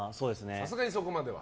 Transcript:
さすがにそこまでは。